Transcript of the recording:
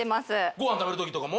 ご飯食べる時とかも？